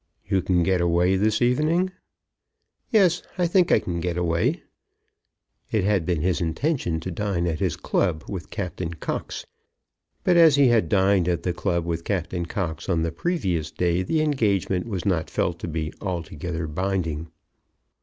"You can get away this evening?" "Yes, I think I can get away." It had been his intention to dine at his club with Captain Cox; but as he had dined at the club with Captain Cox on the previous day, the engagement was not felt to be altogether binding.